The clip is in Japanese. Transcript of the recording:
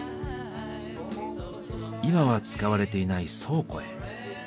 今は使われていない倉庫へ。